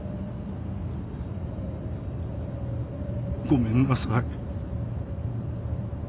ごめんなさい